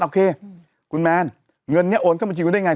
โอเคคุณแมนเงินนี้โอนเข้าบัญชีคุณได้ไง